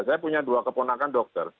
saya punya dua keponakan dokter